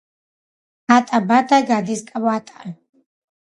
ატა, ბატა გადის კვატა.